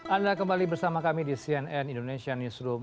anda kembali bersama kami di cnn indonesia newsroom